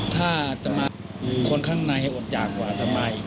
ถ้าอย่างไว้คนกวนข้างในให้อดทันยากกว่าก็มาอีกเยอะ